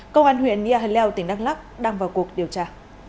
công an huyện yà hà leo tỉnh đắk lắk đang vào cuộc điều tra